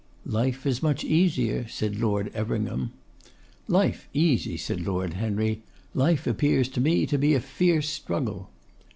'Life is much easier,' said Lord Everingham. 'Life easy!' said Lord Henry. 'Life appears to me to be a fierce struggle.